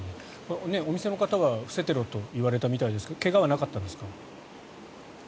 お店の方は伏せてろと言われたみたいですが怪我はなかったんですか？